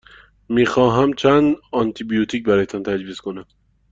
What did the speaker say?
می خواهمم چند آنتی بیوتیک برایتان تجویز کنم.